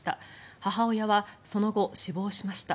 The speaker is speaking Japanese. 母親はその後、死亡しました。